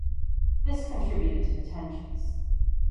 This contributed to the tensions.